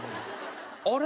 「あれ？」